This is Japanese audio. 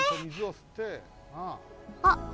あっ。